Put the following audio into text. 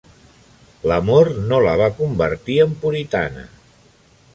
L'amor no la va convertir en puritana.